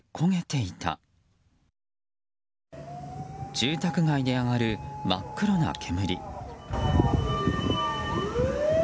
住宅街で上がる真っ黒な煙。